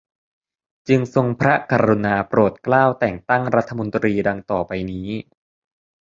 จึงทรงพระกรุณาโปรดเกล้า แต่งตั้งรัฐมนตรี ดังต่อไปนี้